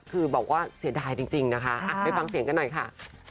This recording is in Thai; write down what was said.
คือบอกว่าเสียดายจริงนะคะไปฟังเสียงกันหน่อยค่ะ